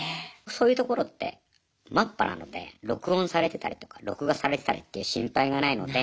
そういうところってマッパなので録音されてたりとか録画されてたりっていう心配がないので。